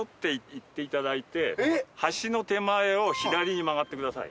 橋の手前を左に曲がってください。